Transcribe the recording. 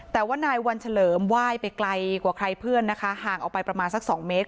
แต่ว่านายวันเฉลิมไหว้ไปไกลกว่าใครเพื่อนนะคะห่างออกไปประมาณสัก๒เมตร